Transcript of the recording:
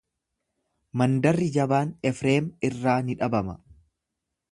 Mandarri jabaan Efreem irraa ni dhabama.